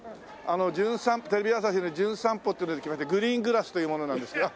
テレビ朝日の『じゅん散歩』っていうので来ましたグリーングラスという者なんですが。